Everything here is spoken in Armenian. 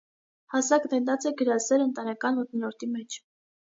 Հասակ նետած է գրասէր ընտանեկան մթնոլորտի մէջ։